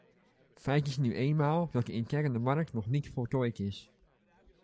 Feit is nu eenmaal dat de interne markt nog niet voltooid is.